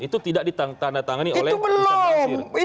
itu tidak ditandatangani oleh ustadz basir